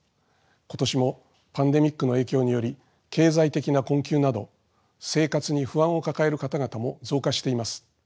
今年もパンデミックの影響により経済的な困窮など生活に不安を抱える方々も増加しています。